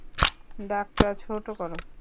ডাকটা ছোট করো।